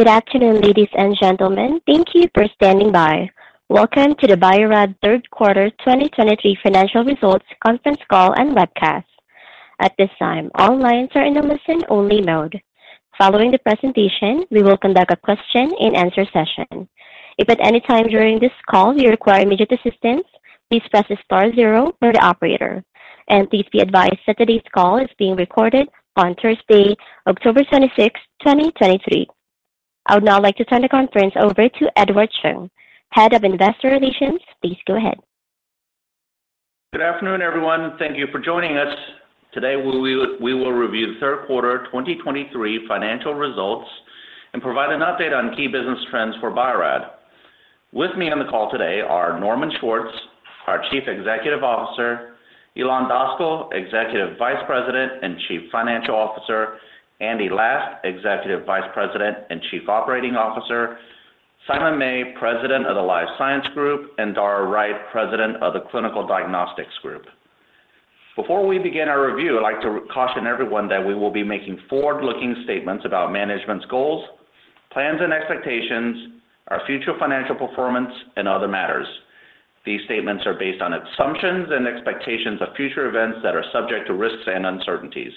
Good afternoon, ladies and gentlemen. Thank you for standing by. Welcome to the Bio-Rad Third Quarter 2023 Financial Results Conference Call and Webcast. At this time, all lines are in a listen-only mode. Following the presentation, we will conduct a question-and-answer session. If at any time during this call you require immediate assistance, please press star zero for the operator. Please be advised that today's call is being recorded on Thursday, October 26th, 2023. I would now like to turn the conference over to Edward Chung, Head of Investor Relations. Please go ahead. Good afternoon, everyone. Thank you for joining us. Today, we will review the third quarter 2023 financial results and provide an update on key business trends for Bio-Rad. With me on the call today are Norman Schwartz, our Chief Executive Officer, Ilan Daskal, Executive Vice President and Chief Financial Officer, Andy Last, Executive Vice President and Chief Operating Officer, Simon May, President of the Life Science Group, and Dara Wright, President of the Clinical Diagnostics Group. Before we begin our review, I'd like to caution everyone that we will be making forward-looking statements about management's goals, plans and expectations, our future financial performance, and other matters. These statements are based on assumptions and expectations of future events that are subject to risks and uncertainties.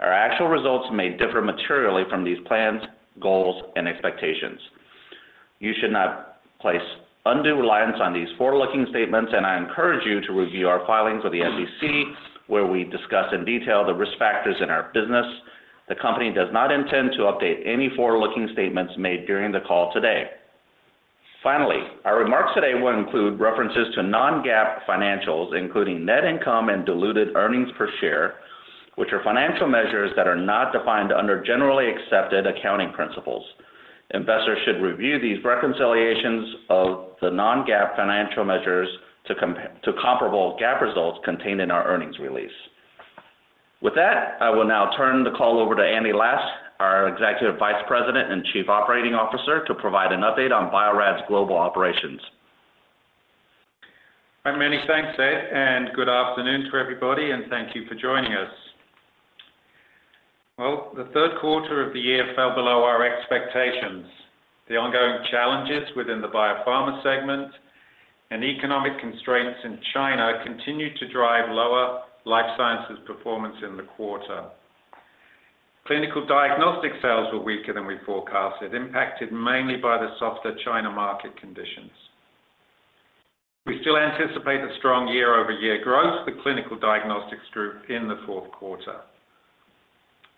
Our actual results may differ materially from these plans, goals, and expectations. You should not place undue reliance on these forward-looking statements, and I encourage you to review our filings with the SEC, where we discuss in detail the risk factors in our business. The company does not intend to update any forward-looking statements made during the call today. Finally, our remarks today will include references to non-GAAP financials, including net income and diluted earnings per share, which are financial measures that are not defined under generally accepted accounting principles. Investors should review these reconciliations of the non-GAAP financial measures to comparable GAAP results contained in our earnings release. With that, I will now turn the call over to Andy Last, our Executive Vice President and Chief Operating Officer, to provide an update on Bio-Rad's global operations. Many thanks, Ed, and good afternoon to everybody, and thank you for joining us. Well, the third quarter of the year fell below our expectations. The ongoing challenges within the biopharma segment and economic constraints in China continued to drive lower Life Sciences performance in the quarter. Clinical Diagnostics sales were weaker than we forecasted, impacted mainly by the softer China market conditions. We still anticipate a strong year-over-year growth for clinical diagnostics group in the fourth quarter.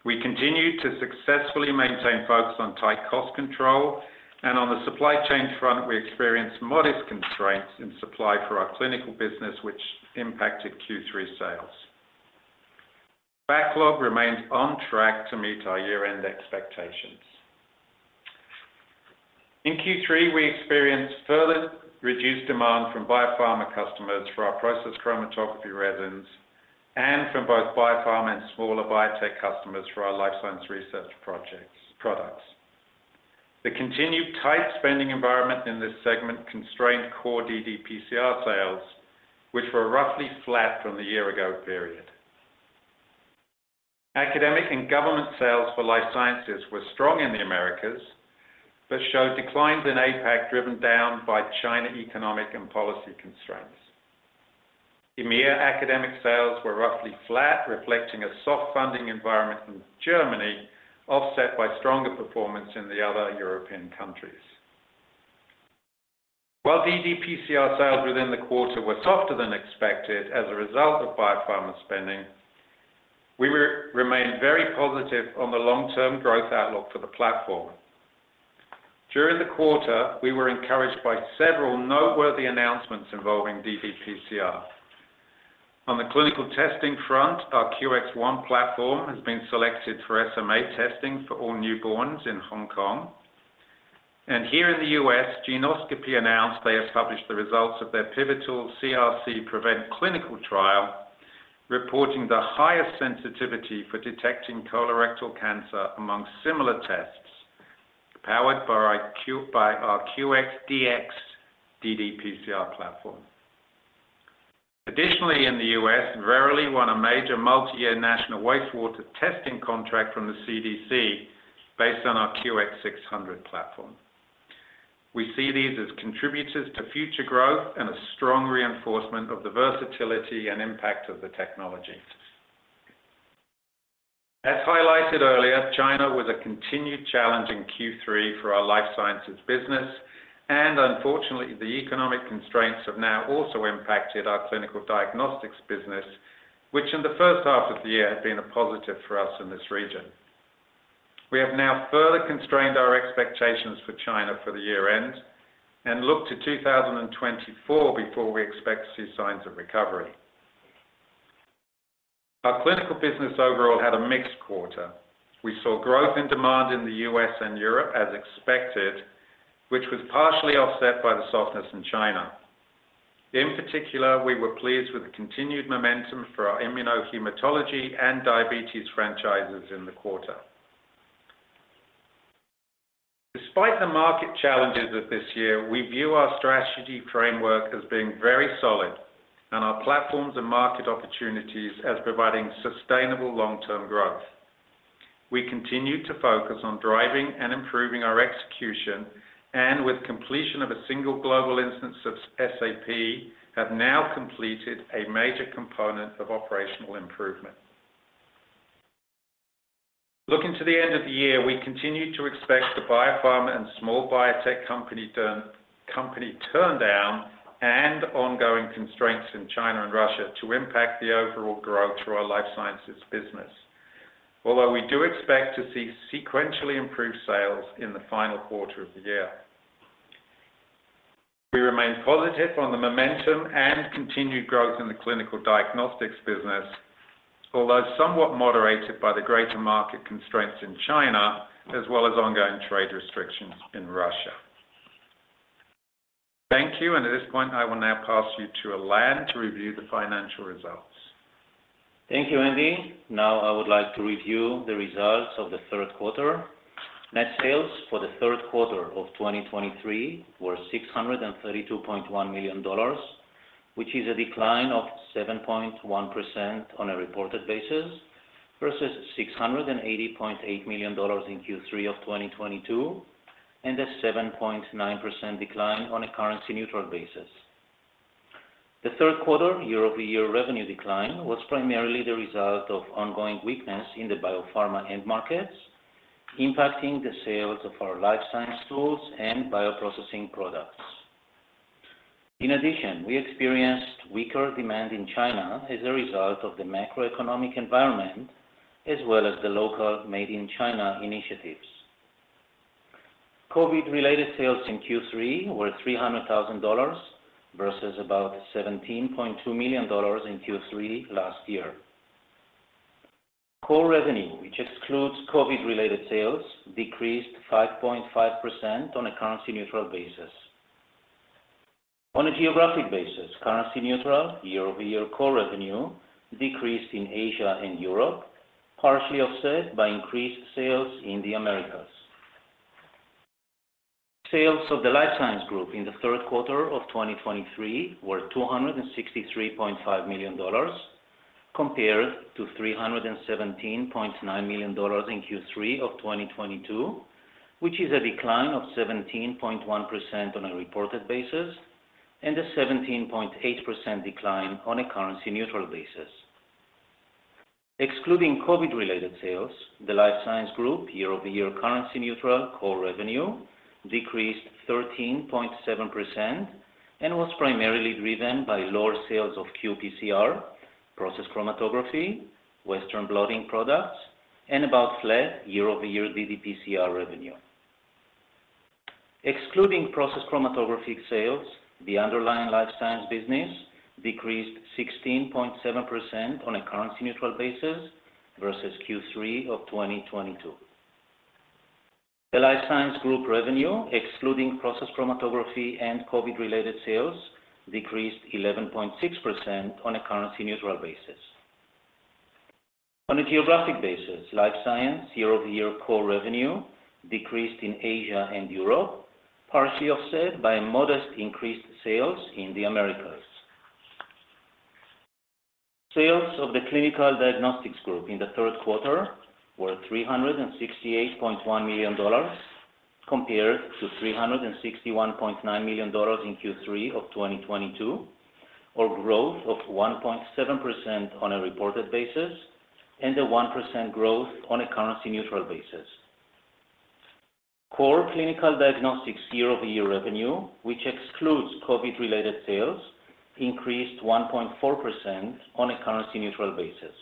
We continue to successfully maintain focus on tight cost control, and on the supply chain front, we experienced modest constraints in supply for our clinical business, which impacted Q3 sales. Backlog remains on track to meet our year-end expectations. In Q3, we experienced further reduced demand from biopharma customers for our process chromatography resins and from both biopharma and smaller biotech customers for our Life Science research projects, products. The continued tight spending environment in this segment constrained core ddPCR sales, which were roughly flat from the year ago period. Academic and government sales for Life Sciences were strong in the Americas, but showed declines in APAC, driven down by China economic and policy constraints. EMEA academic sales were roughly flat, reflecting a soft funding environment in Germany, offset by stronger performance in the other European countries. While ddPCR sales within the quarter were softer than expected as a result of biopharma spending, we remain very positive on the long-term growth outlook for the platform. During the quarter, we were encouraged by several noteworthy announcements involving ddPCR. On the clinical testing front, our QX ONE platform has been selected for SMA testing for all newborns in Hong Kong. Here in the U.S., Geneoscopy announced they have published the results of their pivotal CRC-PREVENT clinical trial, reporting the highest sensitivity for detecting colorectal cancer among similar tests, powered by our QXDx ddPCR platform. Additionally, in the U.S., Verily won a major multi-year national wastewater testing contract from the CDC based on our QX600 platform. We see these as contributors to future growth and a strong reinforcement of the versatility and impact of the technology. As highlighted earlier, China was a continued challenge in Q3 for our Life Sciences business, and unfortunately, the economic constraints have now also impacted our Clinical Diagnostics business, which in the first half of the year had been a positive for us in this region. We have now further constrained our expectations for China for the year-end and look to 2024 before we expect to see signs of recovery. Our clinical business overall had a mixed quarter. We saw growth in demand in the U.S. and Europe as expected, which was partially offset by the softness in China. In particular, we were pleased with the continued momentum for our immunohematology and diabetes franchises in the quarter. Despite the market challenges of this year, we view our strategy framework as being very solid and our platforms and market opportunities as providing sustainable long-term growth. We continue to focus on driving and improving our execution, and with completion of a single global instance of SAP have now completed a major component of operational improvement. Looking to the end of the year, we continue to expect the biopharma and small biotech company turn, company turndown, and ongoing constraints in China and Russia to impact the overall growth to our Life Sciences business. Although we do expect to see sequentially improved sales in the final quarter of the year. We remain positive on the momentum and continued growth in the Clinical Diagnostics business, although somewhat moderated by the greater market constraints in China, as well as ongoing trade restrictions in Russia. Thank you, and at this point, I will now pass you to Ilan to review the financial results. Thank you, Andy. Now I would like to review the results of the third quarter. Net sales for the third quarter of 2023 were $632.1 million, which is a decline of 7.1% on a reported basis, versus $680.8 million in Q3 of 2022, and a 7.9% decline on a currency-neutral basis. The third quarter year-over-year revenue decline was primarily the result of ongoing weakness in the biopharma end markets, impacting the sales of our Life Science tools and bioprocessing products. In addition, we experienced weaker demand in China as a result of the macroeconomic environment, as well as the local Made in China initiatives. COVID-related sales in Q3 were $300,000 versus about $17.2 million in Q3 last year. Core revenue, which excludes COVID-related sales, decreased 5.5% on a currency-neutral basis. On a geographic basis, currency-neutral year-over-year core revenue decreased in Asia and Europe, partially offset by increased sales in the Americas. Sales of the Life Science Group in the third quarter of 2023 were $263.5 million, compared to $317.9 million in Q3 of 2022, which is a decline of 17.1% on a reported basis and a 17.8% decline on a currency-neutral basis. Excluding COVID-related sales, the Life Science Group year-over-year currency neutral core revenue decreased 13.7% and was primarily driven by lower sales of qPCR, Process Chromatography, Western blotting products, and about flat year-over-year ddPCR revenue. Excluding Process Chromatography sales, the underlying Life Science business decreased 16.7% on a currency-neutral basis versus Q3 of 2022. The Life Science Group revenue, excluding Process Chromatography and COVID-related sales, decreased 11.6% on a currency-neutral basis. On a geographic basis, Life Science year-over-year core revenue decreased in Asia and Europe, partially offset by a modest increased sales in the Americas. Sales of the Clinical Diagnostics Group in the third quarter were $368.1 million, compared to $361.9 million in Q3 of 2022, or growth of 1.7% on a reported basis and a 1% growth on a currency neutral basis. Core clinical diagnostics year-over-year revenue, which excludes COVID-related sales, increased 1.4% on a currency-neutral basis.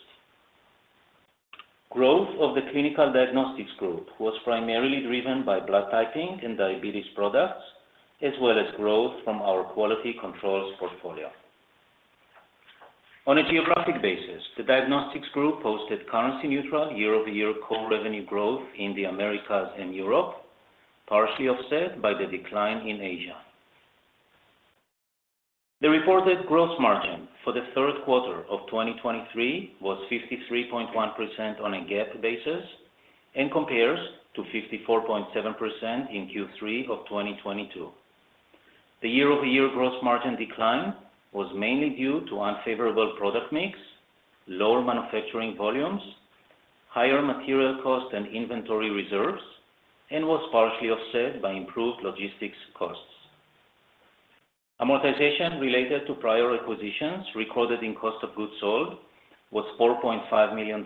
Growth of the Clinical Diagnostics Group was primarily driven by blood typing and diabetes products, as well as growth from our quality controls portfolio. On a geographic basis, the Diagnostics Group posted currency neutral year-over-year core revenue growth in the Americas and Europe, partially offset by the decline in Asia. The reported gross margin for the third quarter of 2023 was 53.1% on a GAAP basis, and compares to 54.7% in Q3 of 2022. The year-over-year gross margin decline was mainly due to unfavorable product mix, lower manufacturing volumes, higher material costs and inventory reserves, and was partially offset by improved logistics costs. Amortization related to prior acquisitions recorded in cost of goods sold was $4.5 million,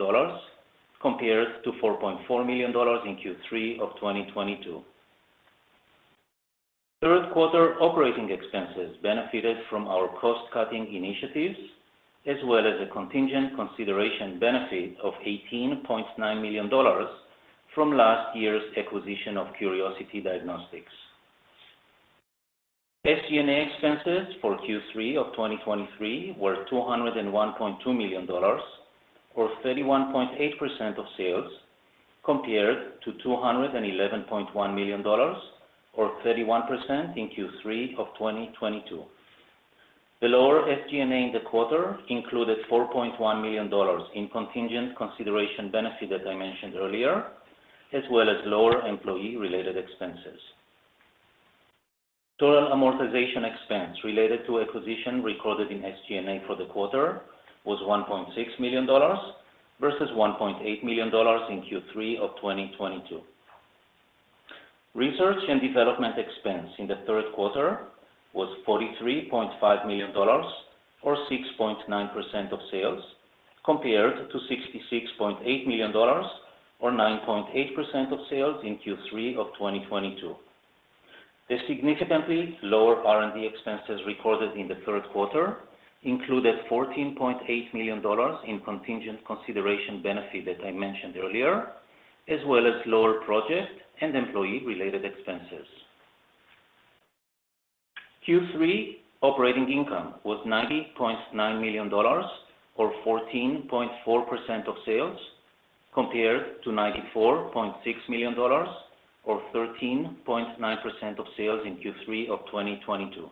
compared to $4.4 million in Q3 of 2022. Third quarter operating expenses benefited from our cost-cutting initiatives, as well as a contingent consideration benefit of $18.9 million from last year's acquisition of Curiosity Diagnostics. SG&A expenses for Q3 of 2023 were $201.2 million, or 31.8% of sales, compared to $211.1 million, or 31% in Q3 of 2022. The lower SG&A in the quarter included $4.1 million in contingent consideration benefit, as I mentioned earlier, as well as lower employee-related expenses. Total amortization expense related to acquisition recorded in SG&A for the quarter was $1.6 million, versus $1.8 million in Q3 of 2022. Research and development expense in the third quarter was $43.5 million, or 6.9% of sales, compared to $66.8 million or 9.8% of sales in Q3 of 2022. The significantly lower R&D expenses recorded in the third quarter included $14.8 million in contingent consideration benefit, that I mentioned earlier, as well as lower project and employee-related expenses. Q3 operating income was $90.9 million or 14.4% of sales, compared to $94.6 million or 13.9% of sales in Q3 of 2022.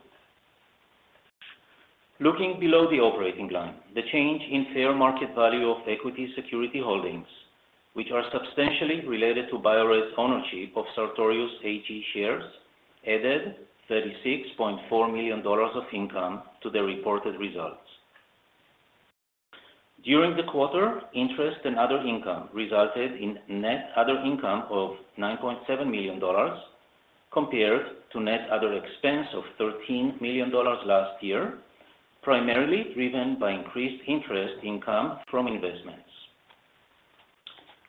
Looking below the operating line, the change in fair market value of equity security holdings, which are substantially related to Bio-Rad's ownership of Sartorius AG shares, added $36.4 million of income to the reported results. During the quarter, interest and other income resulted in net other income of $9.7 million, compared to net other expense of $13 million last year, primarily driven by increased interest income from investments.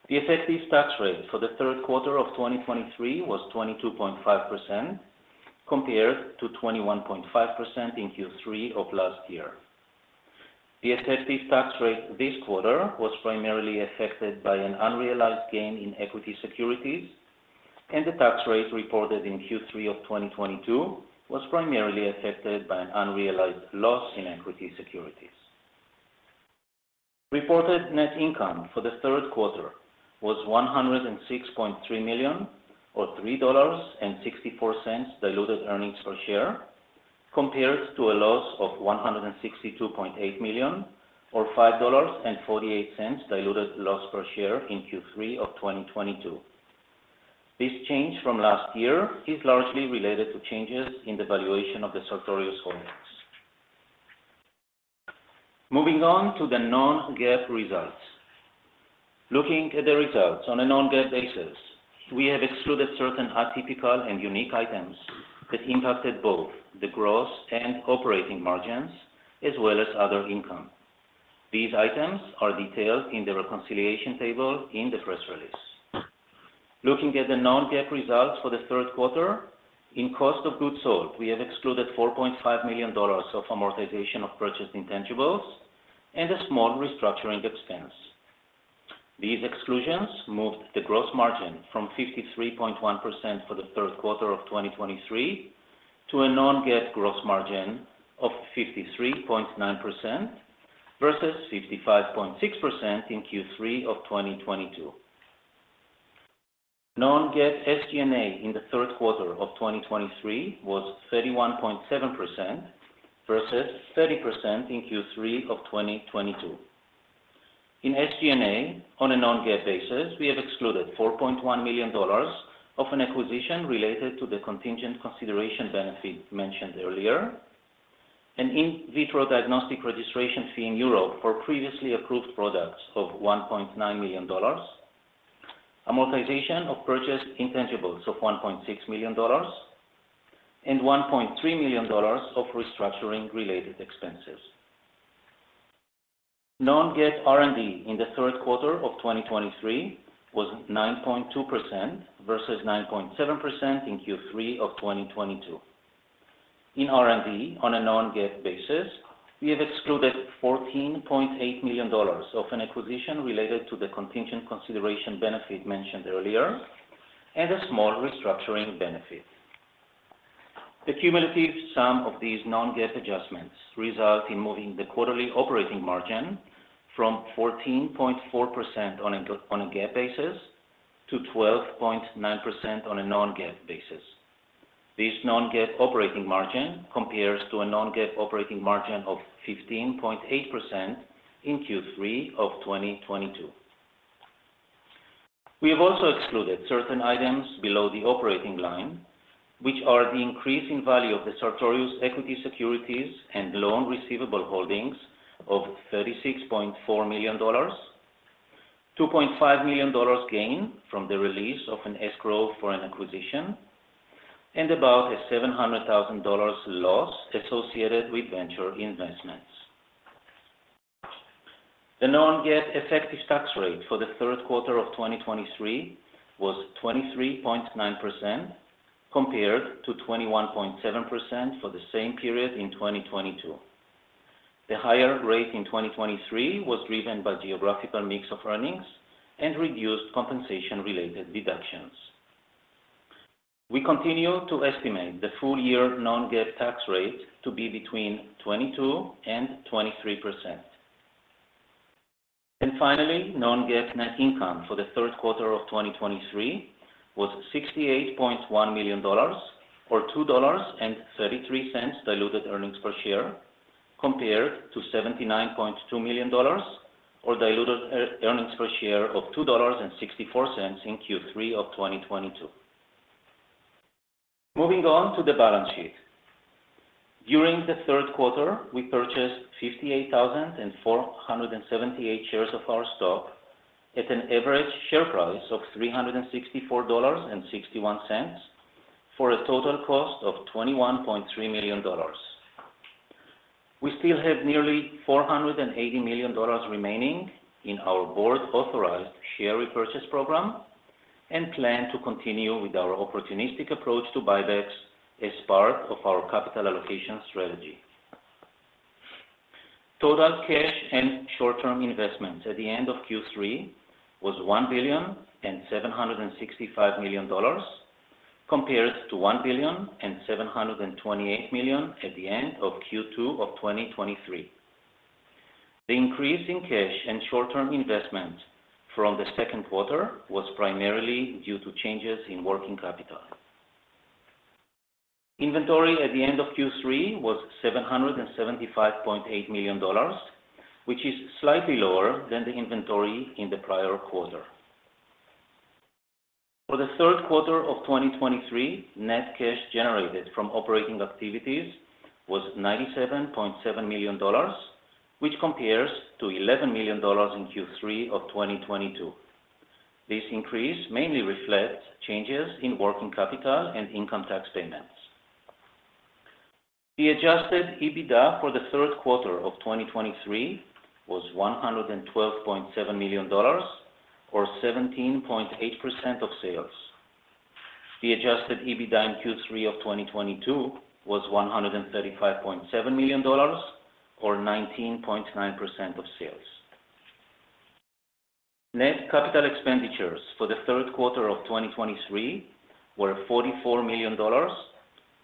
The effective tax rate for the third quarter of 2023 was 22.5%, compared to 21.5% in Q3 of last year. The effective tax rate this quarter was primarily affected by an unrealized gain in equity securities, and the tax rate reported in Q3 of 2022 was primarily affected by an unrealized loss in equity securities. Reported net income for the third quarter was $106.3 million, or $3.64 diluted earnings per share, compared to a loss of $162.8 million, or $5.48 diluted loss per share in Q3 of 2022. This change from last year is largely related to changes in the valuation of the Sartorius holdings. Moving on to the non-GAAP results. Looking at the results on a non-GAAP basis, we have excluded certain atypical and unique items that impacted both the gross and operating margins, as well as other income. These items are detailed in the reconciliation table in the press release. Looking at the non-GAAP results for the third quarter, in cost of goods sold, we have excluded $4.5 million of amortization of purchased intangibles and a small restructuring expense. These exclusions moved the gross margin from 53.1% for the third quarter of 2023 to a non-GAAP gross margin of 53.9% versus 55.6% in Q3 of 2022. Non-GAAP SG&A in the third quarter of 2023 was 31.7% versus 30% in Q3 of 2022. In SG&A, on a non-GAAP basis, we have excluded $4.1 million of an acquisition related to the contingent consideration benefit mentioned earlier, an in vitro diagnostic registration fee in Europe for previously approved products of $1.9 million, amortization of purchased intangibles of $1.6 million, and $1.3 million of restructuring-related expenses. Non-GAAP R&D in the third quarter of 2023 was 9.2% versus 9.7% in Q3 of 2022. In R&D, on a non-GAAP basis, we have excluded $14.8 million of an acquisition related to the contingent consideration benefit mentioned earlier, and a small restructuring benefit. The cumulative sum of these non-GAAP adjustments result in moving the quarterly operating margin from 14.4% on a GAAP basis to 12.9% on a non-GAAP basis. This non-GAAP operating margin compares to a non-GAAP operating margin of 15.8% in Q3 of 2022. We have also excluded certain items below the operating line, which are the increase in value of the Sartorius equity securities and loan receivable holdings of $36.4 million, $2.5 million gain from the release of an escrow for an acquisition, and about a $700,000 loss associated with venture investments. The non-GAAP effective tax rate for the third quarter of 2023 was 23.9%, compared to 21.7% for the same period in 2022. The higher rate in 2023 was driven by geographical mix of earnings and reduced compensation-related deductions. We continue to estimate the full year non-GAAP tax rate to be between 22% and 23%. And finally, non-GAAP net income for the third quarter of 2023 was $68.1 million, or $2.33 diluted earnings per share, compared to $79.2 million, or diluted earnings per share of $2.64 in Q3 of 2022. Moving on to the balance sheet. During the third quarter, we purchased 58,478 shares of our stock at an average share price of $364.61 for a total cost of $21.3 million. We still have nearly $480 million remaining in our Board authorized share repurchase program, and plan to continue with our opportunistic approach to buybacks as part of our capital allocation strategy. Total cash and short-term investments at the end of Q3 was $1.765 billion, compared to $1.728 billion at the end of Q2 of 2023. The increase in cash and short-term investments from the second quarter was primarily due to changes in working capital. Inventory at the end of Q3 was $775.8 million, which is slightly lower than the inventory in the prior quarter. For the third quarter of 2023, net cash generated from operating activities was $97.7 million, which compares to $11 million in Q3 of 2022. This increase mainly reflects changes in working capital and income tax payments. The adjusted EBITDA for the third quarter of 2023 was $112.7 million, or 17.8% of sales. The adjusted EBITDA in Q3 of 2022 was $135.7 million, or 19.9% of sales. Net capital expenditures for the third quarter of 2023 were $44 million,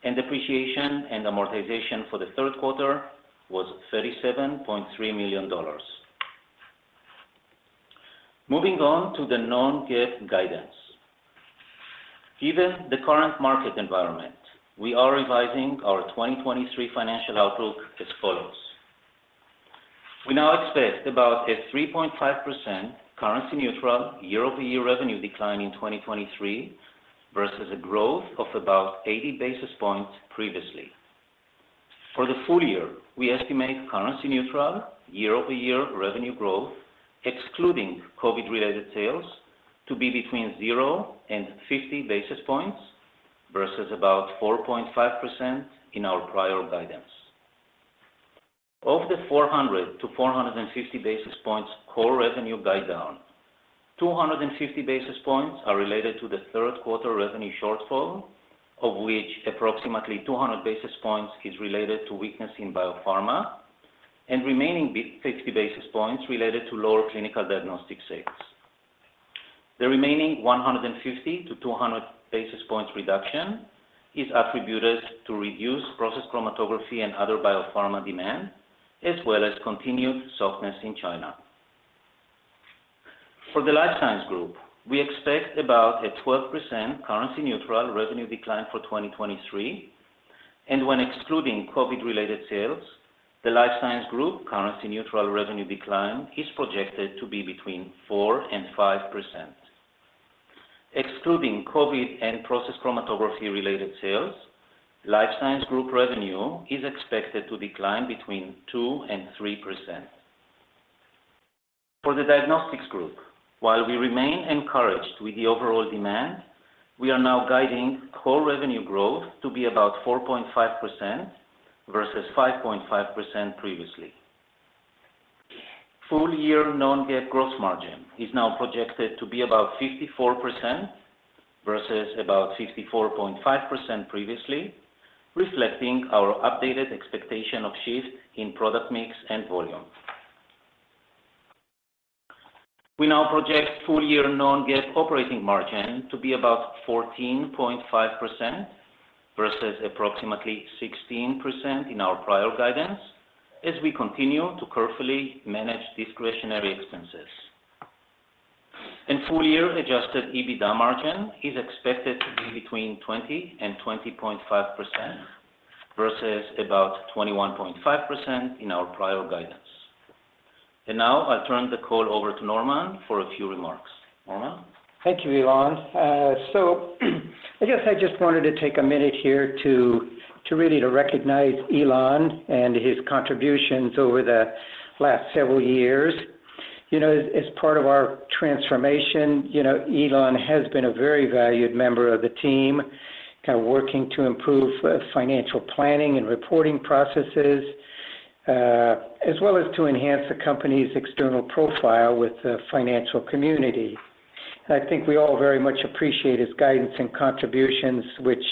and depreciation and amortization for the third quarter was $37.3 million. Moving on to the non-GAAP guidance. Given the current market environment, we are revising our 2023 financial outlook as follows. We now expect about a 3.5% currency-neutral year-over-year revenue decline in 2023, versus a growth of about 80 basis points previously. For the full year, we estimate currency neutral year-over-year revenue growth, excluding COVID-related sales, to be between 0-50 basis points, versus about 4.5% in our prior guidance. Of the 400-450 basis points core revenue guide down, 250 basis points are related to the third quarter revenue shortfall, of which approximately 200 basis points is related to weakness in biopharma, and remaining 50 basis points related to lower Clinical Diagnostic sales. The remaining 150-200 basis points reduction is attributed to reduced process chromatography and other biopharma demand, as well as continued softness in China. For the Life Science Group, we expect about a 12% currency-neutral revenue decline for 2023, and when excluding COVID-related sales, the Life Science Group currency-neutral revenue decline is projected to be between 4%-5%. Excluding COVID and process chromatography-related sales, Life Science Group revenue is expected to decline between 2%-3%. For the Diagnostics Group, while we remain encouraged with the overall demand, we are now guiding core revenue growth to be about 4.5% versus 5.5% previously. Full year non-GAAP gross margin is now projected to be about 54% versus about 64.5% previously, reflecting our updated expectation of shift in product mix and volume. We now project full year non-GAAP operating margin to be about 14.5% versus approximately 16% in our prior guidance, as we continue to carefully manage discretionary expenses. Full year adjusted EBITDA margin is expected to be between 20%-20.5% versus about 21.5% in our prior guidance. Now I'll turn the call over to Norman for a few remarks. Norman? Thank you, Ilan. So, I guess I just wanted to take a minute here to, to really to recognize Ilan and his contributions over the last several years. You know, as, as part of our transformation, you know, Ilan has been a very valued member of the team, kind of working to improve financial planning and reporting processes, as well as to enhance the company's external profile with the financial community. And I think we all very much appreciate his guidance and contributions, which,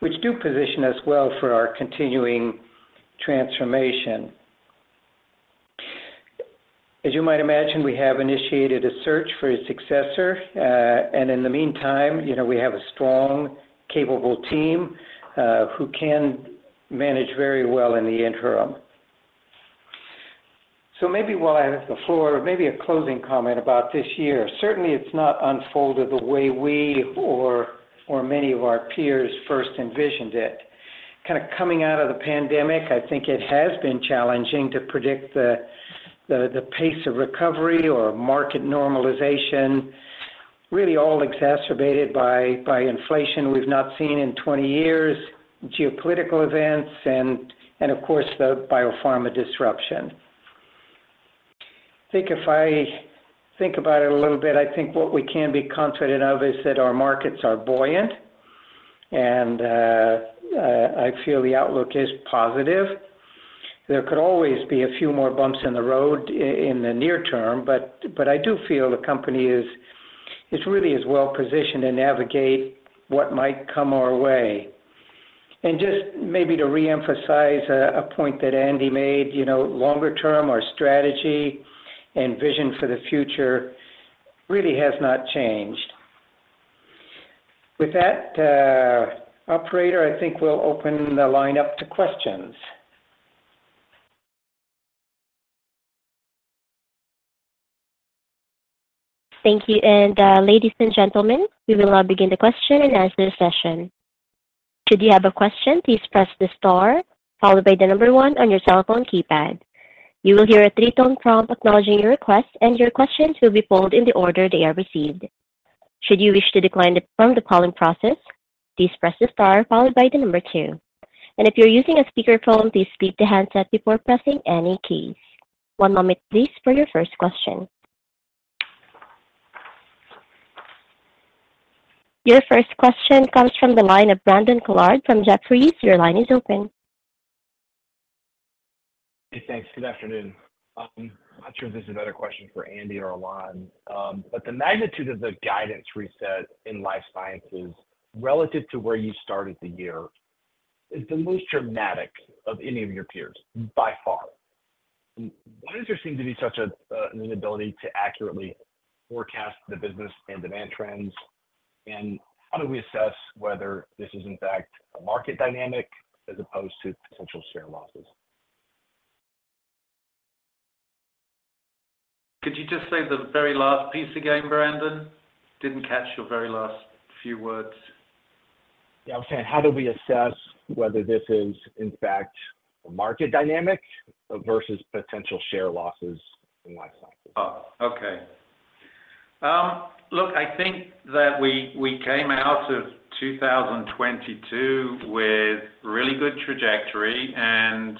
which do position us well for our continuing transformation. As you might imagine, we have initiated a search for a successor, and in the meantime, you know, we have a strong, capable team, who can manage very well in the interim. So maybe while I have the floor, maybe a closing comment about this year. Certainly, it's not unfolded the way we or many of our peers first envisioned it. Kind of coming out of the pandemic, I think it has been challenging to predict the pace of recovery or market normalization, really all exacerbated by inflation we've not seen in 20 years, geopolitical events, and of course, the biopharma disruption. I think if I think about it a little bit, I think what we can be confident of is that our markets are buoyant, and I feel the outlook is positive. There could always be a few more bumps in the road in the near term, but I do feel the company is really well positioned to navigate what might come our way. Just maybe to reemphasize a point that Andy made, you know, longer term, our strategy and vision for the future really has not changed. With that, operator, I think we'll open the line up to questions. Thank you. Ladies and gentlemen, we will now begin the question-and-answer session. Should you have a question, please press the star followed by the number one on your cell phone keypad. You will hear a three-tone prompt acknowledging your request, and your questions will be pulled in the order they are received. Should you wish to decline from the calling process, please press the star followed by the number two. If you're using a speakerphone, please speak to handset before pressing any keys. One moment, please, for your first question. Your first question comes from the line of Brandon Couillard from Jefferies. Your line is open. Hey, thanks. Good afternoon. I'm not sure if this is a better question for Andy or Ilan, but the magnitude of the guidance reset in Life Sciences relative to where you started the year is the most dramatic of any of your peers by far. Why does there seem to be such an inability to accurately forecast the business and demand trends? And how do we assess whether this is in fact a market dynamic as opposed to potential share losses? Could you just say the very last piece again, Brandon? Didn't catch your very last few words. Yeah, I'm saying, how do we assess whether this is, in fact, a market dynamic versus potential share losses in Life Sciences? Okay. Look, I think that we came out of 2022 with really good trajectory, and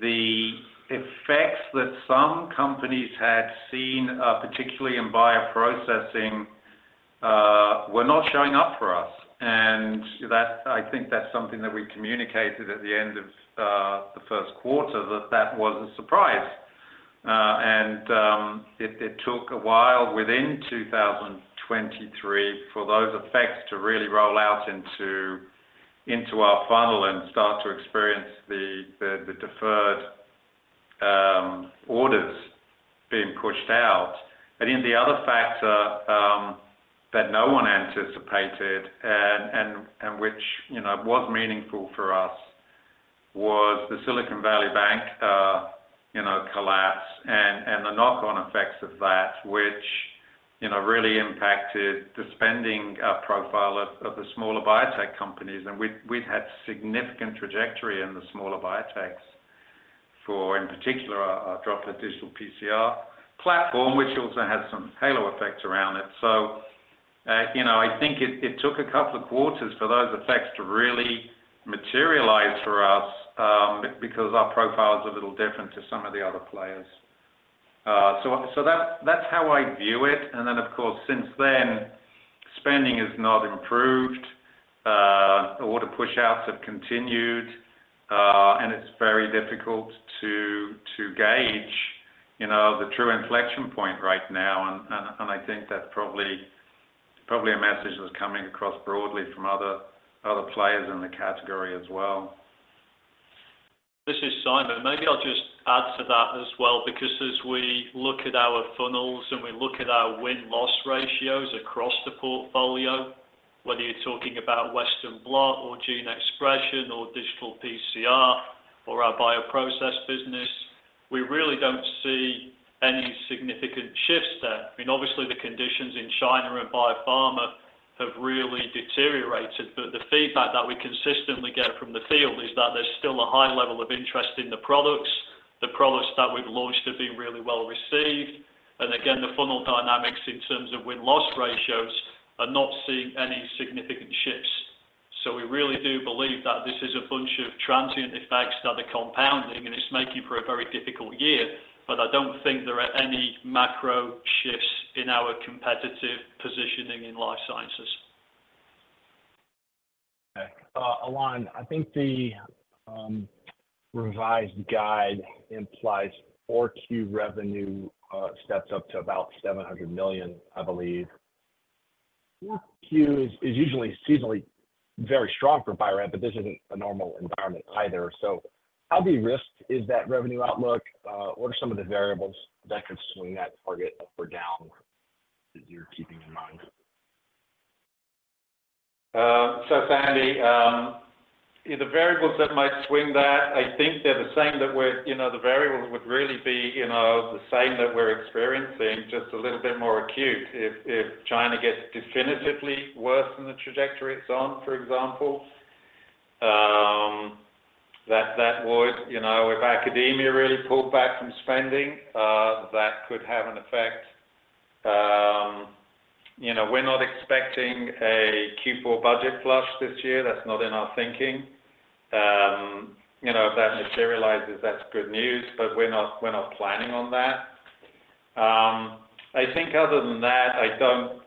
the effects that some companies had seen, particularly in bioprocessing, were not showing up for us. I think that's something that we communicated at the end of the first quarter, that that was a surprise. It took a while within 2023 for those effects to really roll out into our funnel and start to experience the deferred orders being pushed out. I think the other factor that no one anticipated and which, you know, was meaningful for us, was the Silicon Valley Bank collapse and the knock-on effects of that, which, you know, really impacted the spending profile of the smaller biotech companies. We'd had significant trajectory in the smaller biotechs for, in particular, our Droplet Digital PCR platform, which also had some halo effects around it. You know, I think it took a couple of quarters for those effects to really materialize for us, because our profile is a little different to some of the other players. That's how I view it. Of course, since then, spending has not improved, order pushouts have continued, and it's very difficult to gauge, you know, the true inflection point right now. I think that's probably a message that's coming across broadly from other players in the category as well. This is Simon. Maybe I'll just add to that as well, because as we look at our funnels and we look at our win-loss ratios across the portfolio, whether you're talking about Western blot or gene expression, or Digital PCR, or our bioprocess business, we really don't see any significant shifts there. I mean, obviously, the conditions in China and biopharma have really deteriorated, but the feedback that we consistently get from the field is that there's still a high level of interest in the products. The products that we've launched have been really well received. And again, the funnel dynamics in terms of win-loss ratios are not seeing any significant shifts. So we really do believe that this is a bunch of transient effects that are compounding, and it's making for a very difficult year, but I don't think there are any macro shifts in our competitive positioning in Life Sciences. Okay, Ilan, I think the revised guide implies 4Q revenue steps up to about $700 million, I believe. 4Q is usually seasonally very strong for Bio-Rad, but this isn't a normal environment either. So how big risk is that revenue outlook? What are some of the variables that could swing that target up or down, that you're keeping in mind? So it's Andy. The variables that might swing that, I think they're the same that we're, you know, the variables would really be, you know, the same that we're experiencing, just a little bit more acute. If China gets definitively worse than the trajectory it's on, for example, that would, you know, if academia really pulled back from spending, that could have an effect. You know, we're not expecting a Q4 budget flush this year. That's not in our thinking. You know, if that materializes, that's good news, but we're not, we're not planning on that. I think other than that, I don't,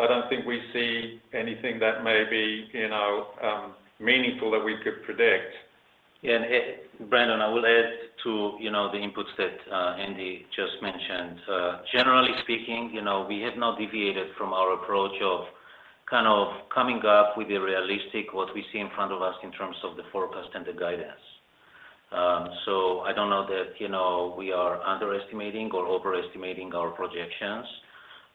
I don't think we see anything that may be, you know, meaningful that we could predict. Brandon, I will add to, you know, the inputs that Andy just mentioned. Generally speaking, you know, we have not deviated from our approach of kind of coming up with a realistic, what we see in front of us in terms of the forecast and the guidance. So I don't know that, you know, we are underestimating or overestimating our projections.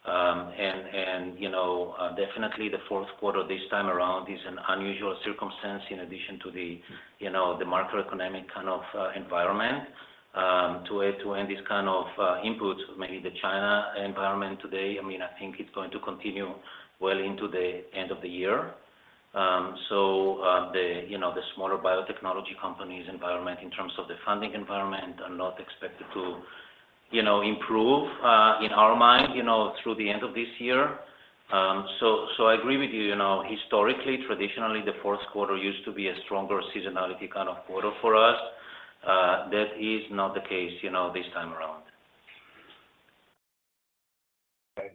And, you know, definitely the fourth quarter this time around is an unusual circumstance in addition to the, you know, the macroeconomic kind of environment, to add to, and these kind of inputs, maybe the China environment today. I mean, I think it's going to continue well into the end of the year. So, you know, the smaller biotechnology companies environment, in terms of the funding environment, are not expected to, you know, improve in our mind, you know, through the end of this year. So, I agree with you, you know, historically, traditionally, the fourth quarter used to be a stronger seasonality kind of quarter for us. That is not the case, you know, this time around. Okay.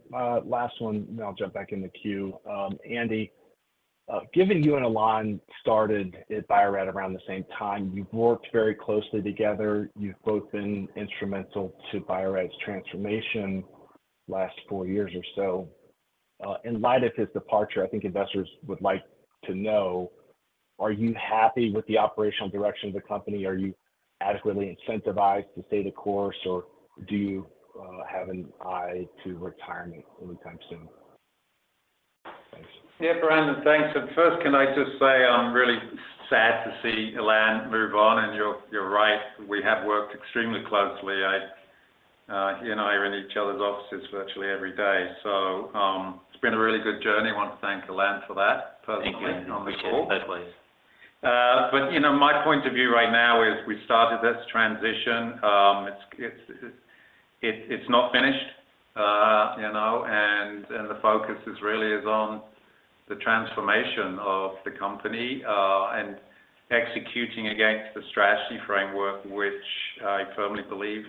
Last one, then I'll jump back in the queue. Andy, given you and Ilan started at Bio-Rad around the same time, you've worked very closely together. You've both been instrumental to Bio-Rad's transformation last four years or so. In light of his departure, I think investors would like to know, are you happy with the operational direction of the company? Are you adequately incentivized to stay the course, or do you have an eye to retirement anytime soon? Thanks. Yeah, Brandon, thanks. And first, can I just say I'm really sad to see Ilan move on, you're right, we have worked extremely closely. I, he and I are in each other's offices virtually every day. So, it's been a really good journey. I want to thank Ilan for that, personally on the call. Likewise. But you know, my point of view right now is we started this transition, it's not finished. You know, and the focus really is on the transformation of the company, and executing against the strategy framework, which I firmly believe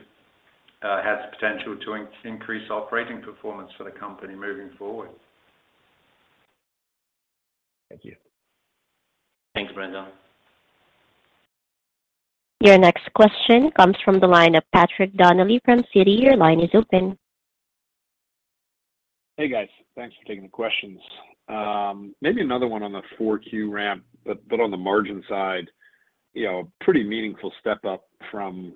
has potential to increase operating performance for the company moving forward. Thank you. Thanks, Brandon. Your next question comes from the line of Patrick Donnelly from Citi. Your line is open. Hey, guys. Thanks for taking the questions. Maybe another one on the 4Q ramp, but on the margin side, you know, pretty meaningful step up from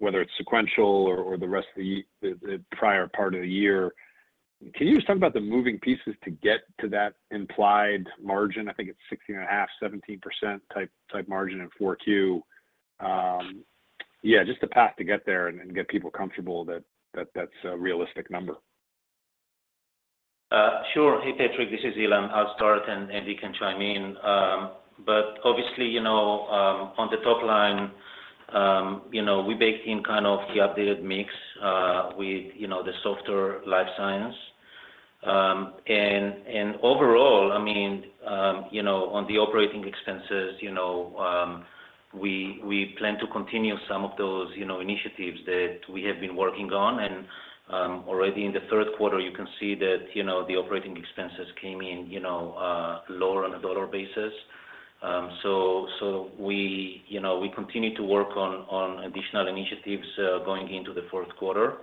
whether it's sequential or the rest of the year. Can you just talk about the moving pieces to get to that implied margin? I think it's 16.5%-17% type margin in 4Q. Yeah, just the path to get there and get people comfortable that's a realistic number. Sure. Hey, Patrick, this is Ilan. I'll start, and Andy can chime in. Obviously, you know, on the top line, you know, we baked in kind of the updated mix, with, you know, the softer Life Science. And, overall, I mean, you know, on the operating expenses, you know, we plan to continue some of those, you know, initiatives that we have been working on. Already in the third quarter, you can see that, you know, the operating expenses came in, you know, lower on a dollar basis. We, you know, we continue to work on additional initiatives, going into the fourth quarter.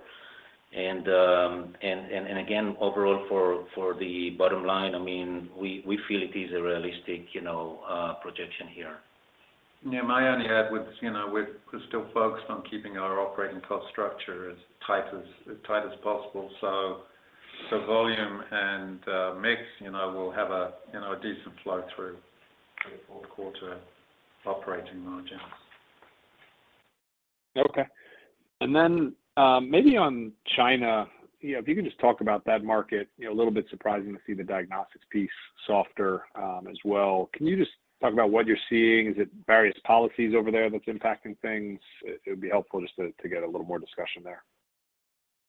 Again, overall, for the bottom line, I mean, we feel it is a realistic, you know, projection here. Yeah, my only add with, you know, we're still focused on keeping our operating cost structure as tight as possible. So, volume and mix, you know, will have a decent flow through for the fourth quarter operating margins. Okay. And then, maybe on China, you know, if you can just talk about that market. You know, a little bit surprising to see the diagnostics piece softer, as well. Can you just talk about what you're seeing? Is it various policies over there that's impacting things? It would be helpful just to get a little more discussion there.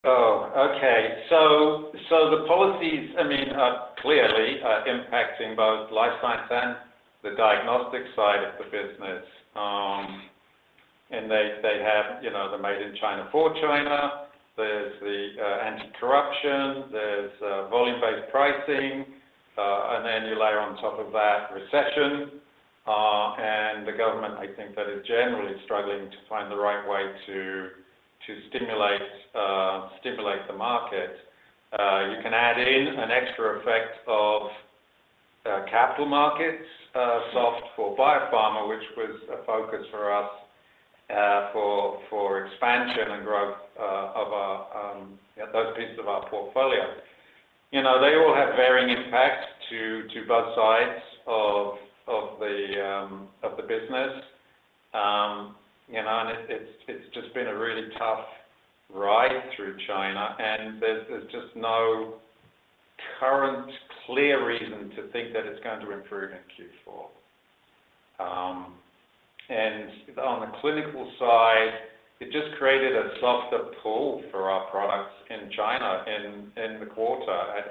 Oh, okay. So the policies, I mean, are clearly impacting both Life Science and the Diagnostic side of the business. And they have, you know, the Made in China for China. There's the anti-corruption, there's volume-based pricing, and then you layer on top of that, recession. And the government, I think, is generally struggling to find the right way to stimulate the market. You can add in an extra effect of capital markets soft for biopharma, which was a focus for us for expansion and growth of our, those pieces of our portfolio. You know, they all have varying impacts to both sides of the business. You know, and it's just been a really tough ride through China, and there's just no current clear reason to think that it's going to improve in Q4. And on the Clinical side, it just created a softer pull for our products in China in the quarter.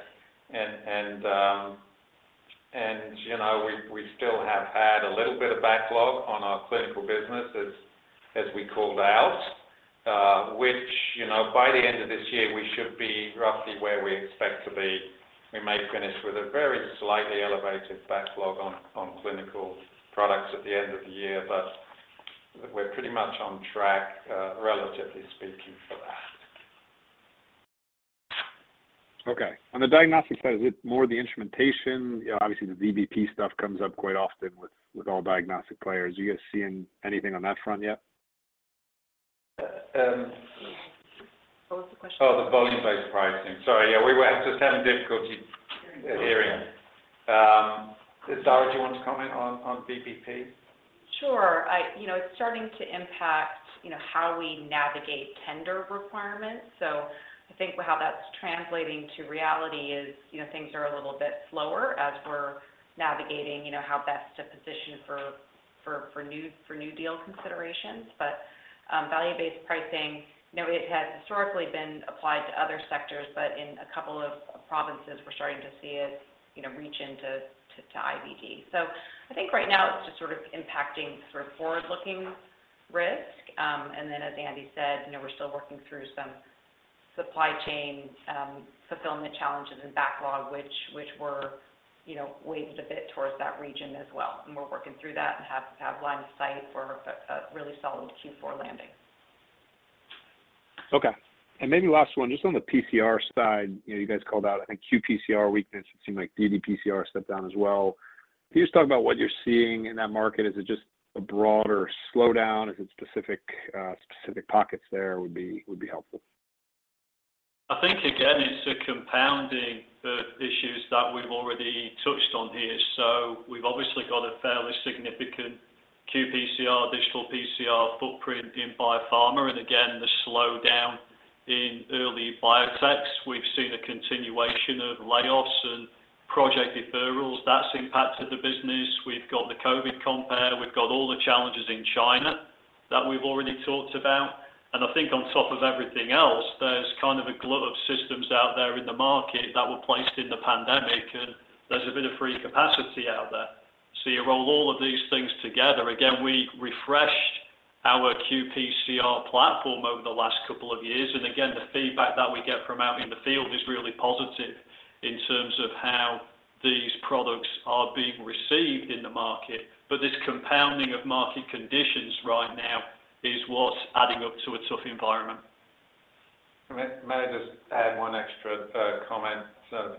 And, you know, we still have had a little bit of backlog on our clinical business as we called out, which, you know, by the end of this year, we should be roughly where we expect to be. We may finish with a very slightly elevated backlog on clinical products at the end of the year, but we're pretty much on track, relatively speaking for that. Okay. On the diagnostic side, is it more the instrumentation? You know, obviously, the VBP stuff comes up quite often with all diagnostic players. Are you guys seeing anything on that front yet? The volume-based pricing. Sorry, yeah, we were just having difficulty hearing. Dara, do you want to comment on, on VBP? Sure. You know, it's starting to impact, you know, how we navigate tender requirements. So I think how that's translating to reality is, you know, things are a little bit slower as we're navigating, you know, how best to position for new deal considerations. But value-based pricing, you know, it has historically been applied to other sectors, but in a couple of provinces, we're starting to see it, you know, reach into IVD. So I think right now it's just sort of impacting sort of forward-looking risk. And then, as Andy said, you know, we're still working through some supply chain fulfillment challenges and backlog, which were, you know, weighted a bit towards that region as well. And we're working through that and have line of sight for a really solid Q4 landing. Okay. And maybe last one, just on the PCR side, you know, you guys called out, I think, qPCR weakness. It seemed like ddPCR stepped down as well. Can you just talk about what you're seeing in that market? Is it just a broader slowdown? Is it specific, specific pockets there, would be helpful. I think, again, it's compounding the issues that we've already touched on here. So we've obviously got a fairly significant qPCR, Digital PCR footprint in biopharma, and again, the slowdown in early biotechs. We've seen a continuation of layoffs and project deferrals. That's impacted the business. We've got the COVID compare, we've got all the challenges in China that we've already talked about. And I think on top of everything else, there's kind of a glut of systems out there in the market that were placed in the pandemic, and there's a bit of free capacity out there. So you roll all of these things together. Again, we refreshed our qPCR platform over the last couple of years, and again, the feedback that we get from out in the field is really positive in terms of how these products are being received in the market. This compounding of market conditions right now is what's adding up to a tough environment. May I just add one extra, you know, comment?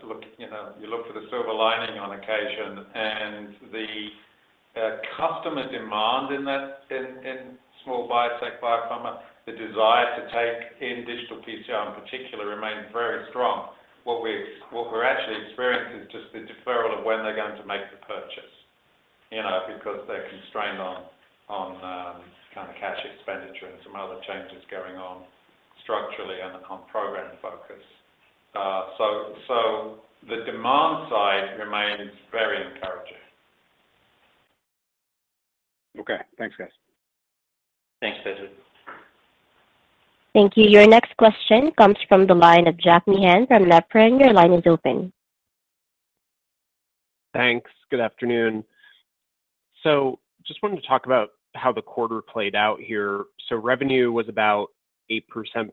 Look, you know, you look for the silver lining on occasion and the customer demand in that, in small biotech biopharma, the desire to take in Digital PCR, in particular, remains very strong. What we've, what we're actually experiencing is just the deferral of when they're going to make the purchase, you know, because they're constrained on, on kind of cash expenditure and some other changes going on structurally and on program focus. The demand side remains very encouraging. Okay. Thanks, guys. Thanks. Thank you. Your next question comes from the line of Jack Meehan from Nephron. Your line is open. Thanks. Good afternoon. Just wanted to talk about how the quarter played out here. Revenue was about 8%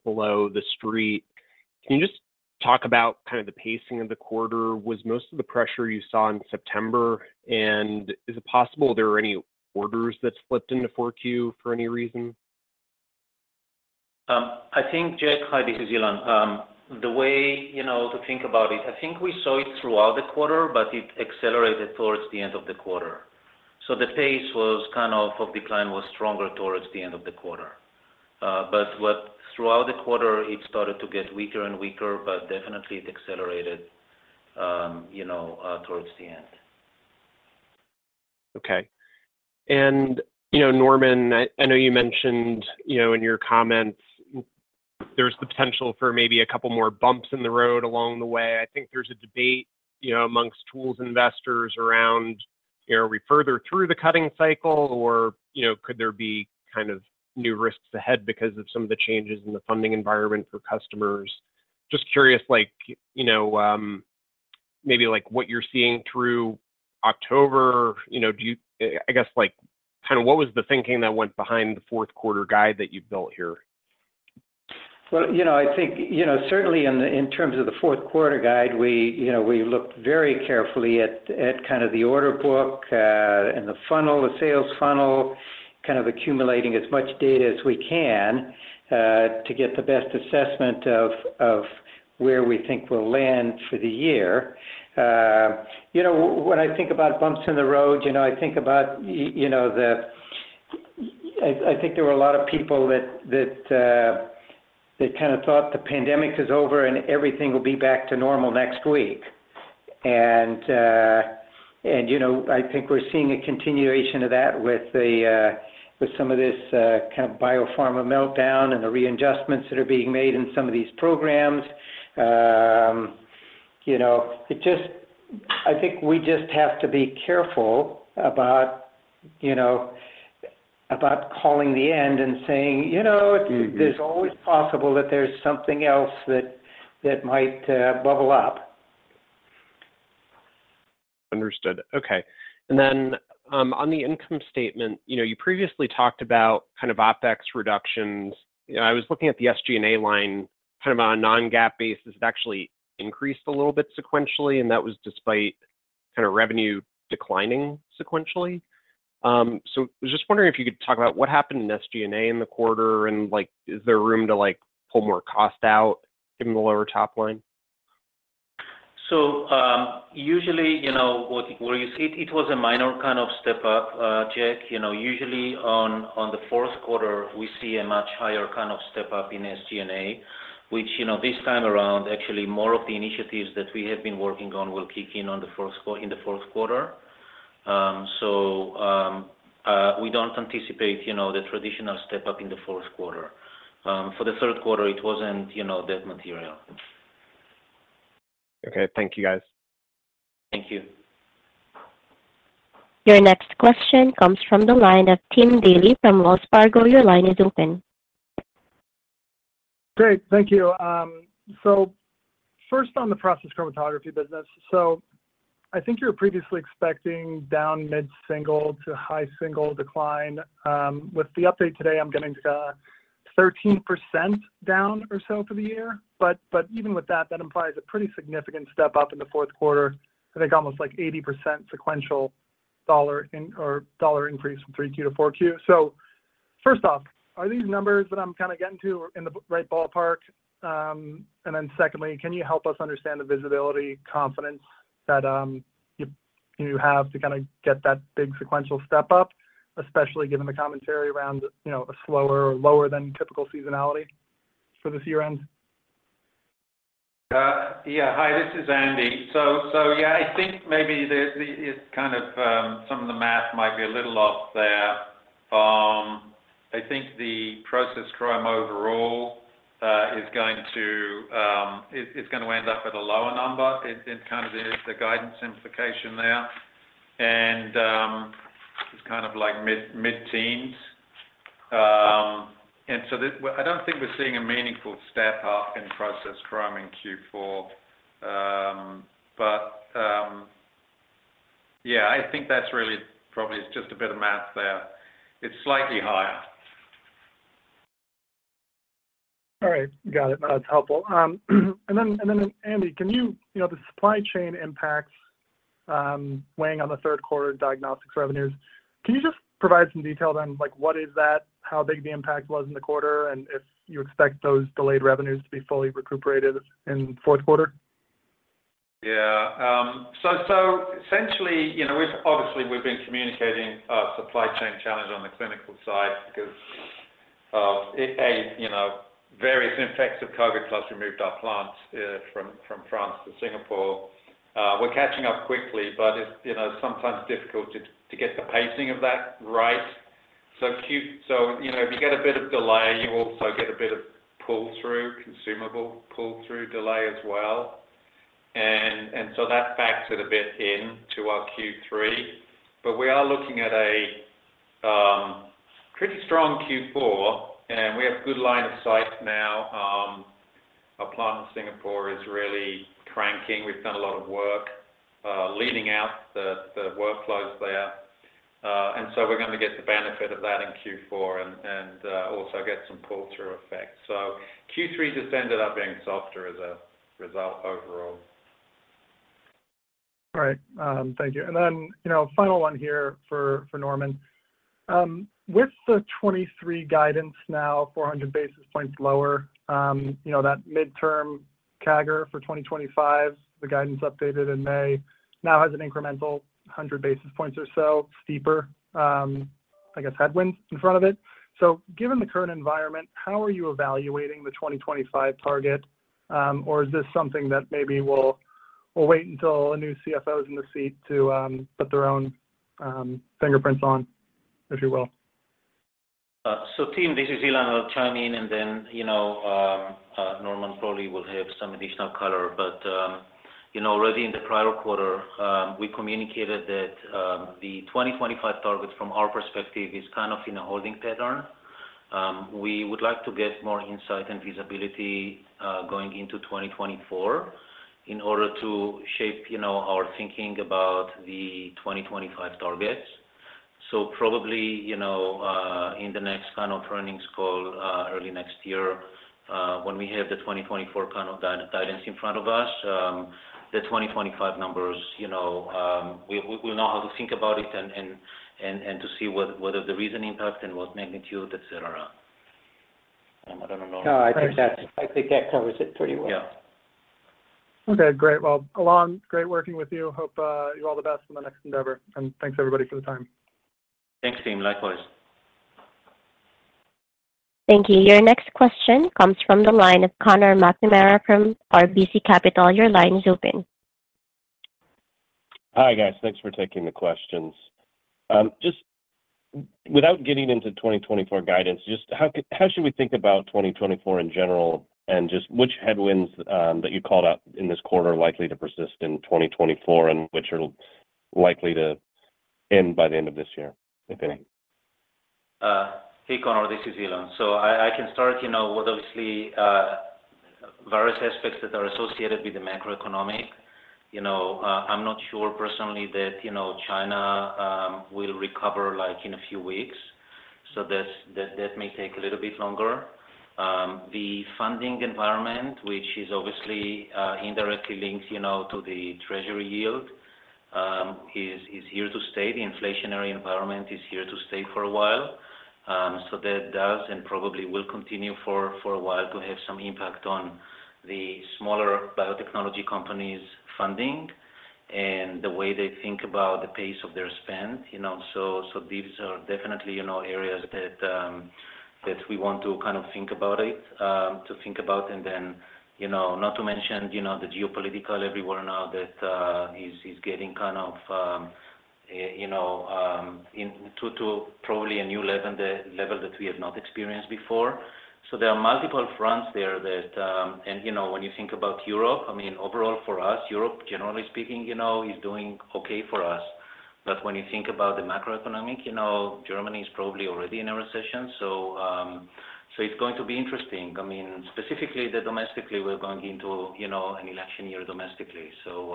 below the street. Can you just talk about kind of the pacing of the quarter? Was most of the pressure you saw in September, and is it possible there are any orders that slipped into 4Q for any reason? I think, Jack, hi, this is Ilan. The way, you know, to think about it, I think we saw it throughout the quarter, but it accelerated towards the end of the quarter. So the pace was kind of, of decline, was stronger towards the end of the quarter. But throughout the quarter, it started to get weaker and weaker, but definitely it accelerated, you know, towards the end. Okay. And, you know, Norman, I know you mentioned, you know, in your comments, there's the potential for maybe a couple more bumps in the road along the way. I think there's a debate, you know, amongst tools investors around, you know, are we further through the cutting cycle or, you know, could there be kind of new risks ahead because of some of the changes in the funding environment for customers? Just curious, like, you know, maybe, like, what you're seeing through October, you know, I guess like kind of what was the thinking that went behind the fourth quarter guide that you built here? Well, you know, I think, you know, certainly in the, in terms of the fourth quarter guide, we, you know, we looked very carefully at, at kind of the order book, and the funnel, the sales funnel, kind of accumulating as much data as we can, to get the best assessment of where we think we'll land for the year. You know, when I think about bumps in the road, you know, I think about, you know, there were a lot of people that, that kind of thought the pandemic is over, and everything will be back to normal next week. You know, I think we're seeing a continuation of that with the, you know, with some of this kind of biopharma meltdown and the readjustments that are being made in some of these programs. You know, it just, I think we just have to be careful about, you know, about calling the end and saying, "You know, it's always possible that there's something else that might bubble up. Understood. Okay. And then, on the income statement, you know, you previously talked about kind of OpEx reductions. You know, I was looking at the SG&A line, kind of on a non-GAAP basis, it actually increased a little bit sequentially, and that was despite kind of revenue declining sequentially. So I was just wondering if you could talk about what happened in SG&A in the quarter, and, like, is there room to, like, pull more cost out, given the lower top line? So, usually, you know, what you see, it was a minor kind of step-up, Jack. You know, usually on the fourth quarter, we see a much higher kind of step up in SG&A, which, you know, this time around, actually, more of the initiatives that we have been working on will kick in in the fourth quarter. So, we don't anticipate, you know, the traditional step up in the fourth quarter. For the third quarter, it wasn't, you know, that material. Okay. Thank you, guys. Thank you. Your next question comes from the line of Tim Daley from Wells Fargo. Your line is open. Great. Thank you. First on the process chromatography business. I think you were previously expecting down mid-single to high-single decline. With the update today, I'm getting 13% down or so for the year. Even with that, that implies a pretty significant step up in the fourth quarter, I think almost like 80% sequential dollar increase from 3Q to 4Q. First off, are these numbers that I'm kind of getting to in the right ballpark? Can you help us understand the visibility, confidence that you have to kind of get that big sequential step up, especially given the commentary around, you know, a slower or lower than typical seasonality for this year-end? Hi, this is Andy. I think maybe the, it's kind of, some of the math might be a little off there. I think the process chrom overall is going to, it's gonna end up at a lower number. It kind of is the guidance simplification there. It's kind of like mid-teens. Well, I don't think we're seeing a meaningful step up in process chrom in Q4. Yeah, I think that's really probably just a bit of math there. It's slightly higher. All right. Got it. That's helpful. And then Andy, can you know, the supply chain impacts, weighing on the third quarter Diagnostics revenues, can you just provide some detail then, like, what is that? How big the impact was in the quarter, and if you expect those delayed revenues to be fully recuperated in the fourth quarter? Yeah. So essentially, you know, we've obviously, we've been communicating, you know, supply chain challenge on the clinical side because of, you know, various impacts of COVID plus removed our plants from France to Singapore. We're catching up quickly, but it's, you know, sometimes difficult to get the pacing of that right. So, you know, if you get a bit of delay, you also get a bit of pull-through, consumable pull-through delay as well. That backs it a bit in to our Q3. We are looking at a pretty strong Q4, and we have good line of sight now. Our plant in Singapore is really cranking. We've done a lot of work, leaning out the workflows there. And so we're gonna get the benefit of that in Q4 and also get some pull-through effects. So Q3 just ended up being softer as a result overall. All right. Thank you. And then, you know, final one here for Norman. With the 2023 guidance now 400 basis points lower, you know, that midterm CAGR for 2025, the guidance updated in May, now has an incremental 100 basis points or so steeper, I guess, headwind in front of it. So given the current environment, how are you evaluating the 2025 target? Or is this something that maybe we'll wait until a new CFO is in the seat to put their own fingerprints on, if you will? Tim, this is Ilan. I'll chime in, and then, you know, Norman probably will have some additional color. You know, already in the prior quarter, we communicated that the 2025 target from our perspective is kind of in a holding pattern. We would like to get more insight and visibility going into 2024 in order to shape, you know, our thinking about the 2025 targets. Probably, you know, in the next kind of earnings call, early next year, when we have the 2024 kind of guidance in front of us, the 2025 numbers, you know, we, we'll know how to think about it and, and, and, and to see what, what are the reason impact and what magnitude, et cetera. No, I think that's, I think that covers it pretty well. Yeah. Okay, great. Well, Ilan, great working with you. Hope you all the best in the next endeavor, and thanks everybody for the time. Thanks, team. Likewise. Thank you. Your next question comes from the line of Conor McNamara from RBC Capital. Your line is open. Hi, guys. Thanks for taking the questions. Just without getting into 2024 guidance, just how, how should we think about 2024 in general, and just which headwinds that you called out in this quarter are likely to persist in 2024 and which are likely to end by the end of this year? If any. Hey, Conor, this is Ilan. I can start, you know, with obviously various aspects that are associated with the macroeconomic. You know, I'm not sure personally that, you know, China will recover, like, in a few weeks. That may take a little bit longer. The funding environment, which is obviously indirectly links, you know, to the treasury yield, is here to stay. The inflationary environment is here to stay for a while. That does and probably will continue for a while to have some impact on the smaller biotechnology companies' funding and the way they think about the pace of their spend, you know. So, these are definitely, you know, areas that we want to kind of think about it, to think about, and then, you know, not to mention, you know, the geopolitical everywhere now that is getting kind of, you know, into to probably a new level, the level that we have not experienced before. So there are multiple fronts there that and, you know, when you think about Europe, I mean, overall for us, Europe, generally speaking, you know, is doing okay for us. But when you think about the macroeconomic, you know, Germany is probably already in a recession, so, so it's going to be interesting. I mean, specifically, the domestically, we're going into, you know, an election year domestically. So,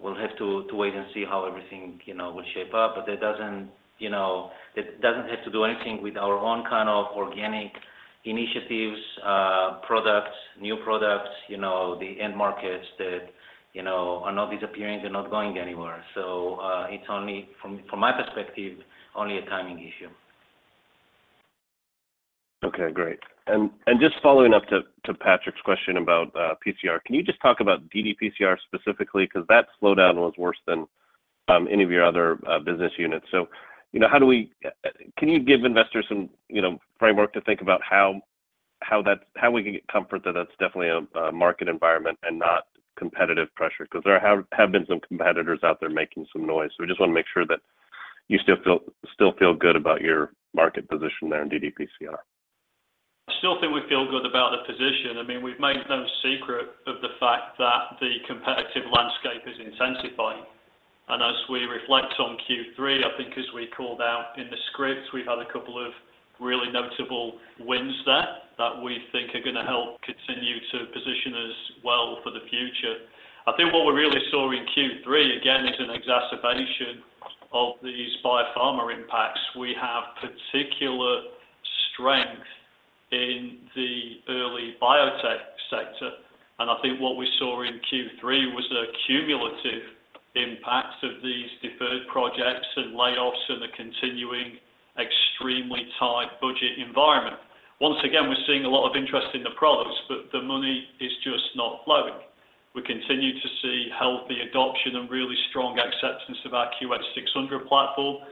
we'll have to to wait and see how everything, you know, will shape up. But that doesn't, you know, that doesn't have to do anything with our own kind of organic initiatives, products, new products, you know, the end markets that, you know, are not disappearing, they're not going anywhere. So, it's only from, from my perspective, only a timing issue. Okay, great. Just following up to Patrick's question about PCR, can you just talk about ddPCR specifically? Because that slowdown was worse than any of your other business units. You know, can you give investors some, you know, framework to think about how that's-- how we can get comfort that that's definitely a market environment and not competitive pressure? Because there have been some competitors out there making some noise. We just want to make sure that you still feel, still feel good about your market position there in ddPCR. I still think we feel good about the position. I mean, we've made no secret of the fact that the competitive landscape is intensifying. As we reflect on Q3, I think as we called out in the script, we've had a couple of really notable wins there that we think are going to help continue to position us well for the future. I think what we really saw in Q3, again, is an exacerbation of these biopharma impacts. We have particular strength in the early biotech sector, and I think what we saw in Q3 was a cumulative impact of these deferred projects and layoffs and the continuing extremely tight budget environment. Once again, we're seeing a lot of interest in the products, but the money is just not flowing. We continue to see healthy adoption and really strong acceptance of our QX600 platform.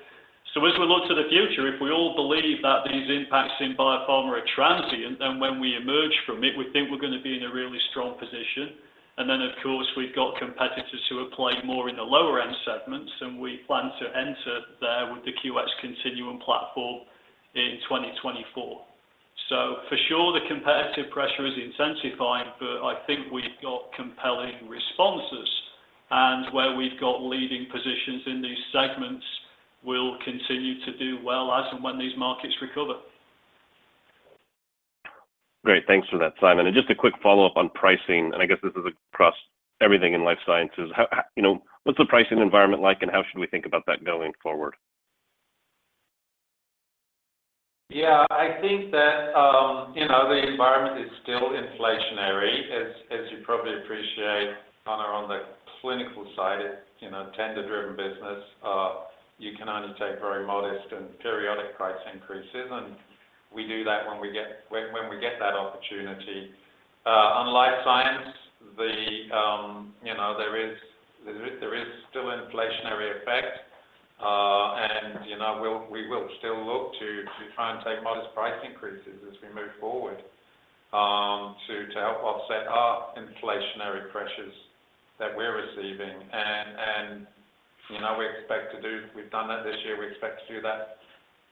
So as we look to the future, if we all believe that these impacts in biopharma are transient, then when we emerge from it, we think we're going to be in a really strong position. And then, of course, we've got competitors who are playing more in the lower-end segments, and we plan to enter there with the QX Continuum platform in 2024. So for sure, the competitive pressure is intensifying, but I think we've got compelling responses. And where we've got leading positions in these segments will continue to do well as and when these markets recover. Great. Thanks for that, Simon. Just a quick follow-up on pricing, and I guess this is across everything in life sciences. How, how-- You know, what's the pricing environment like, and how should we think about that going forward? Yeah, I think that, you know, the environment is still inflationary. As you probably appreciate, on the clinical side, it, you know, tender-driven business, you can only take very modest and periodic price increases, and we do that when we get that opportunity. On life science, you know, there is still inflationary effect, and, you know, we will still look to try and take modest price increases as we move forward, to help offset our inflationary pressures that we're receiving. And, you know, we expect to do. We've done that this year, we expect to do that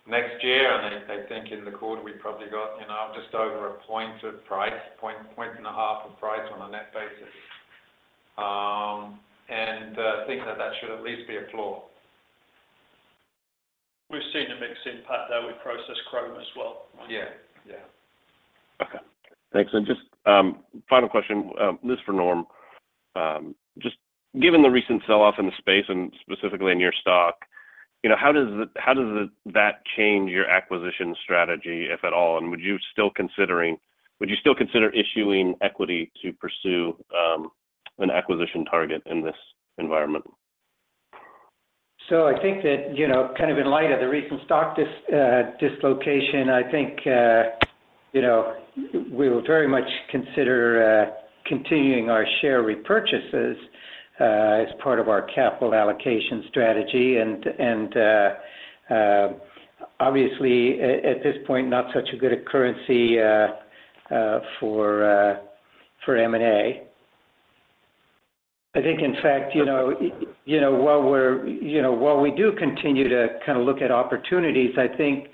next year. And I think in the quarter, we've probably got, you know, just over 1 point of price, 1.5 points of price on a net basis. I think that that should at least be a floor. We've seen a mixed impact there. We process chromatography as well. Yeah. Yeah. Okay. Thanks. And just, final question, this is for Norm. Just given the recent sell-off in the space and specifically in your stock, you know, how does that change your acquisition strategy, if at all, and would you still consider issuing equity to pursue an acquisition target in this environment? I think that, you know, kind of in light of the recent stock dislocation, I think, you know, we will very much consider continuing our share repurchases as part of our capital allocation strategy, and, and, obviously, at this point, not such a good currency for M&A. I think in fact, you know, you know, while we're, you know, while we do continue to kind of look at opportunities, I think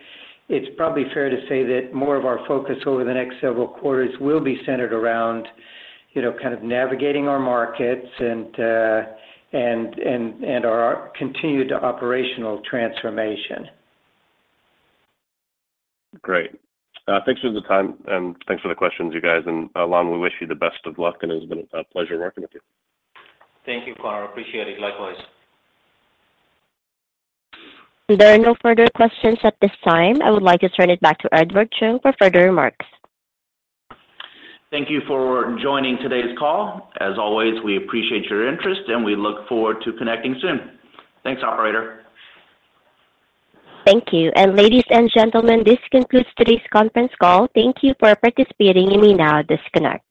it's probably fair to say that more of our focus over the next several quarters will be centered around, you know, kind of navigating our markets and, and, and our continued operational transformation. Great. Thanks for the time and thanks for the questions, you guys. Ilan, we wish you the best of luck, and it's been a pleasure working with you. Thank you, Conor. Appreciate it. Likewise. There are no further questions at this time. I would like to turn it back to Edward Chung for further remarks. Thank you for joining today's call. As always, we appreciate your interest, and we look forward to connecting soon. Thanks, operator. Thank you. Ladies and gentlemen, this concludes today's conference call. Thank you for participating. You may now disconnect.